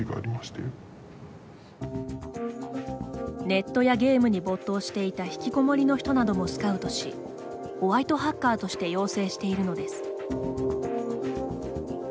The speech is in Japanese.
ネットやゲームに没頭していたひきこもりの人などもスカウトしホワイトハッカーとして養成しているのです。